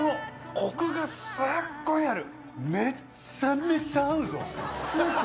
コクがすっごいある。